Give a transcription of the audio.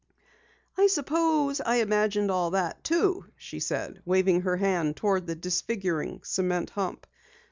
"I suppose I imagined all that too," she said, waving her hand toward the disfiguring cement hump.